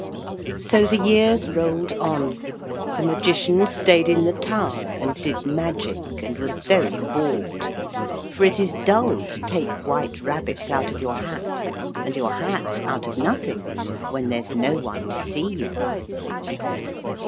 So the years rolled on. The Magician stayed in the tower and did magic and was very bored, for it is dull to take white rabbits out of your hat, and your hat out of nothing when there's no one to see you.